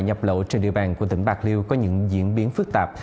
nhập lộ trên địa bàn của tỉnh bạc liêu có những diễn biến phức tạp